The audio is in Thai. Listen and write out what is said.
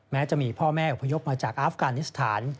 จะมีพ่อแม่อพยพมาจากอาฟกานิสถาน